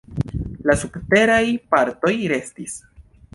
La subteraj partoj restis.